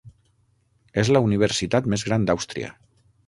És la universitat més gran d'Àustria.